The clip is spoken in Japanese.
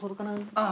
ああ。